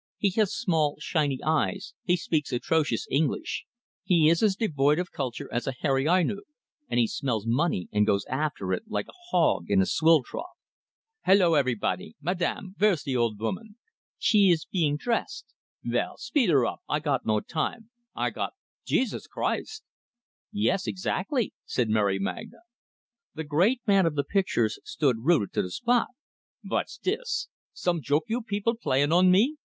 He has small, shiny eyes, he speaks atrocious English, he is as devoid of culture as a hairy Ainu, and he smells money and goes after it like a hog into a swill trough. "Hello, everybody! Madame, vere's de old voman? "She ees being dressed " "Vell, speed her up! I got no time. I got Jesus Christ!" "Yes, exactly," said Mary Magna. The great man of the pictures stood rooted to the spot. "Vot's dis? Some joke you people playin' on me?"